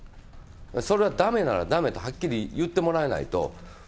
それはだめならだめとはっきり言ってもらわないと。